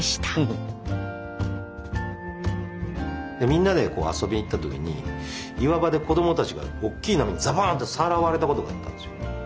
みんなで遊びに行った時に岩場で子どもたちが大きい波にザバーンってさらわれたことがあったんですよ。